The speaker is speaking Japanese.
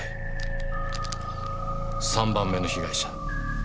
３番目の被害者